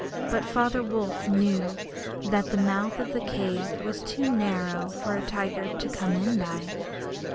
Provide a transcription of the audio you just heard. But Father Wolf knew that the mouth of the cave was too narrow for a tiger to come in by.